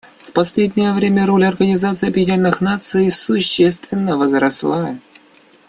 В последнее время роль Организации Объединенных Наций существенно возросла.